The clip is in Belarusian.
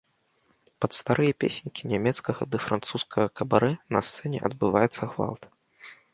Пад старыя песенькі нямецкага ды французскага кабарэ на сцэне адбываецца гвалт.